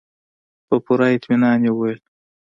په پوره اطمينان يې وويل.